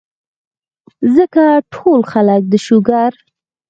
ځکه ټول خلک د شوګر ،